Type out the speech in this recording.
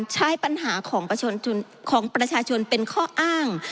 ใช้ปัญหาของประชาชนเป็นข้ออ้าง